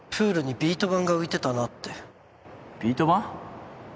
ビート板？